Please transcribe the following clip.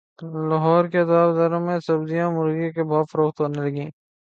لاہور کے اتوار بازاروں میں سبزیاں مرغی کے بھاو فروخت ہونے لگیں